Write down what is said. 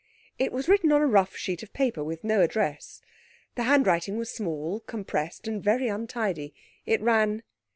It was written on a rough sheet of paper, with no address. The handwriting was small, compressed, and very untidy. It ran.